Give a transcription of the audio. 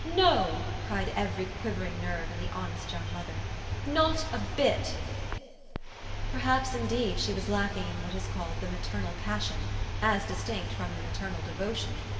"No," cried every quivering nerve in the honest young mother ;" not a bit !" Perhaps, indeed, she was lacking in what is called the maternal passion as distinct from the maternal devotion.